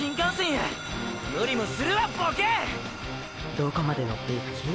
どこまで乗っていく気？